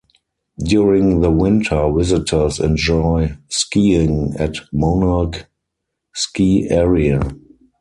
During the winter, visitors enjoy skiing at Monarch ski area.